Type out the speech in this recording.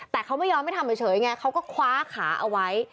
แต่เค้าไม่ย้อนไม่ทำเฉยไงเค้าก็คว้าขาเอาไว้